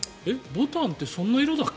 ボタンってそんな色だっけ？